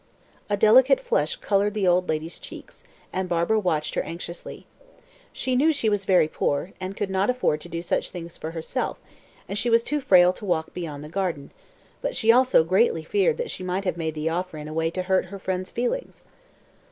A delicate flush coloured the old lady's cheeks, and Barbara watched her anxiously. She knew she was very poor, and could not afford to do such things for herself, and she was too frail to walk beyond the garden, but she also greatly feared that she might have made the offer in a way to hurt her friend's feelings.